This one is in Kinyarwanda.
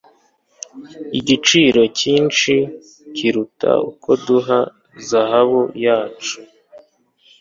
Igiciro cyinshi kuruta uko duha zahabu yacu